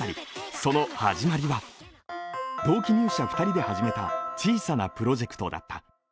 その始まりは、同期入社２人で始めた小さなプロジェクトだった。